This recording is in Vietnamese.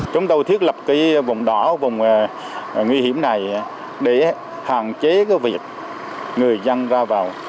chúng tôi thiết lập vùng đỏ vùng nguy hiểm này để hạn chế cái việc người dân ra vào